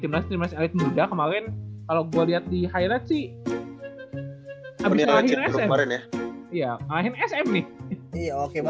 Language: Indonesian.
tim nasional muda kemarin kalau gua lihat di hirachi abis lahirnya ya akhirnya sm nih oke